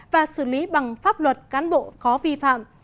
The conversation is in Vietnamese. và xử lý bằng pháp luật cán bộ có vi phạm